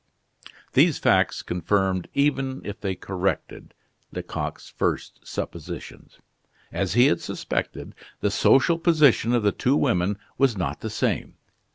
'" These facts confirmed even if they corrected Lecoq's first suppositions. As he had suspected, the social position of the two women was not the same.